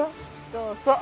そうそう。